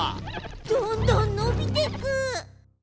どんどんのびてく。